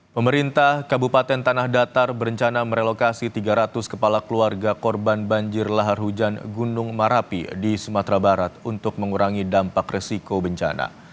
pemerintah kabupaten tanah datar berencana merelokasi tiga ratus kepala keluarga korban banjir lahar hujan gunung merapi di sumatera barat untuk mengurangi dampak resiko bencana